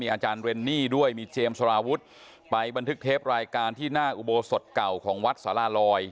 อาจารย์เรนนี่ด้วยมีเจมส์สารวุฒิไปบันทึกเทปรายการที่หน้าอุโบสถเก่าของวัดสาราลอย